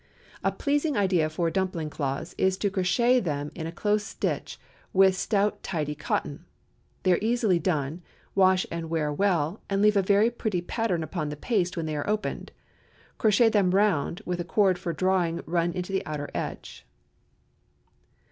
A pleasing idea for dumpling cloths is to crochet them in a close stitch with stout tidy cotton. They are easily done, wash and wear well, and leave a very pretty pattern upon the paste when they are opened. Crochet them round, with a cord for drawing run into the outer edge.